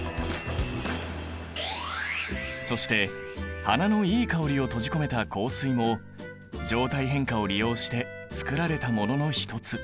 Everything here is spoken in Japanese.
そして花のいい香りを閉じ込めた香水も状態変化を利用して作られたものの一つ。